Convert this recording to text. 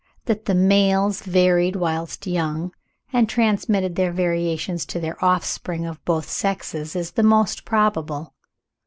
That the males varied whilst young, and transmitted their variations to their offspring of both sexes, is the most probable.